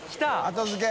後付け！